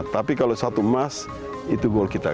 tapi kalau satu emas itu goal kita